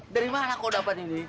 dari mana kau dapat ini